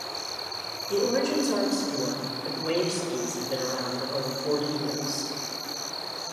The origins are obscure, but waveskis have been around for over forty years.